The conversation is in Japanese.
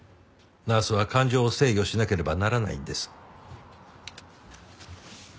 ナースは感情を制御しなければならないんです。